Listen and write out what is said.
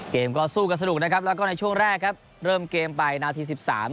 เกมก็สู้กันสนุกนะครับแล้วก็ในช่วงแรกครับเริ่มเกมไปนาทีสิบสาม